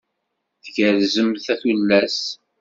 Tgerrzemt a tullas?